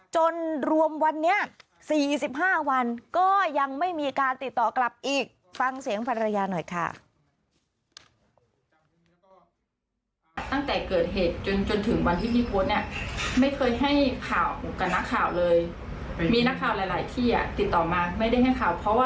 จนรวมวันนี้๔๕วันก็ยังไม่มีการติดต่อกลับอีก